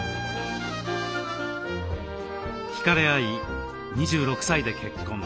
ひかれ合い２６歳で結婚。